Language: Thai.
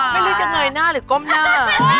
ไม่รู้จะเงยหน้าหรือก้มหน้า